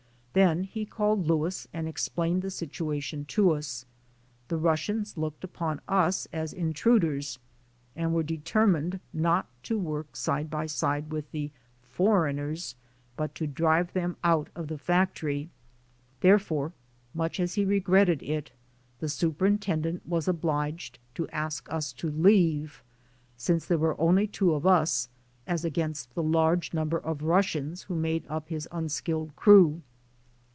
Then he called Louis and explained the sit uation to us. The Russians looked upon us as in truders and were determined not to work side by side with "the foreigners," but to drive them out of the factory. Therefore, much as he regretted it, the 82 THE SOUL OF AN IMMIGRANT superintendent was obliged to ask us to leave, since there were only two of us, as against the large num ber of Russians who made up his unskilled crew.